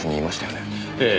ええ。